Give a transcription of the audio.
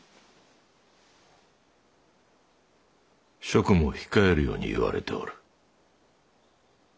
職務を控えるように言われておる。